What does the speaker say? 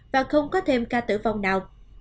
và không có thêm ca tử vong nào